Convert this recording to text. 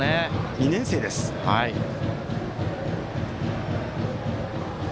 ２年生です、鶴田。